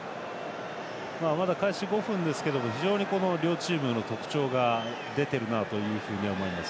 まだ開始５分ですが両チームの特徴が出ているなと思います。